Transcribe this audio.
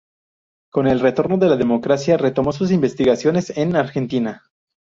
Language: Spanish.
Con el retorno de la democracia, retomó sus investigaciones en Argentina.